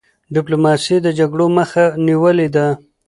ډيپلوماسی د جګړو مخه نیولې ده.